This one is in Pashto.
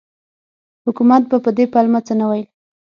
حکومت به په دې پلمه څه نه ویل.